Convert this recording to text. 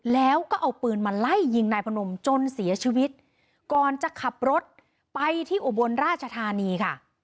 แล้วก็เอาปืนมาไล่ยิงนายพนมจนเสียชีวิตก่อนจะขับรถไปที่อุบลราชธานีค่ะ